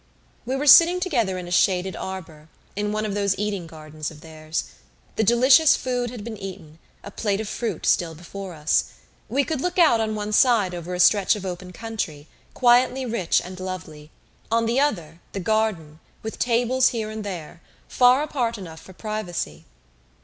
We were sitting together in a shaded arbor, in one of those eating gardens of theirs. The delicious food had been eaten, a plate of fruit still before us. We could look out on one side over a stretch of open country, quietly rich and lovely; on the other, the garden, with tables here and there, far apart enough for privacy.